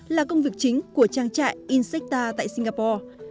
là công việc chính của trang trại insecta tại singapore